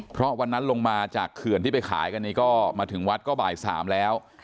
เพราะวันนั้นลงมาจากเขื่อนที่ไปขายกันนี้ก็มาถึงวัดก็บ่าย๓แล้ว